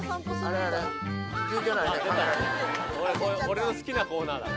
俺の好きなコーナーだ。